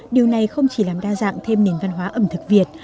điều này không chỉ làm đa dạng thêm nền văn hóa ẩm thực việt